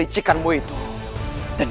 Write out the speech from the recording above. kita akan tahan untuk hidup